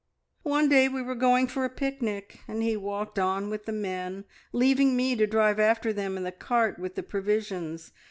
"One day we were going for a picnic, and he walked on with the men, leaving me to drive after them in the cart with the provisions.